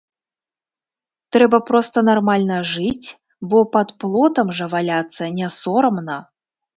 Трэба проста нармальна жыць, бо пад плотам жа валяцца не сорамна.